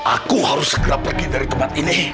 aku harus segera pergi dari tempat ini